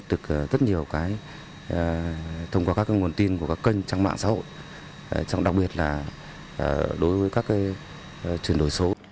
thông qua các nguồn tin của các kênh trang mạng xã hội đặc biệt là đối với các truyền đổi số